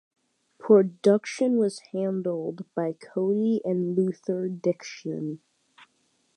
Production was handled by Cody and Luther Dickinson.